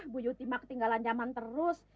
bu yuti mah ketinggalan nyaman terus